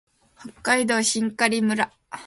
北海道真狩村